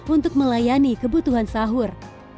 untuk melayani kebutuhan sahur